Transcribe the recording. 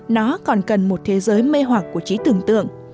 nó còn cần một thế giới mê hoặc của trí tưởng tượng